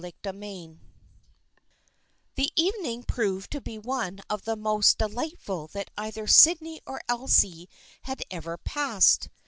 CHAPTER X THE evening proved to be one of the most de lightful that either Sydney or Elsie had ever passed.